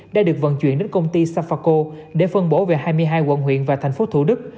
đã được vận chuyển đến công ty safaco để phân bổ về hai mươi hai quận huyện và thành phố thủ đức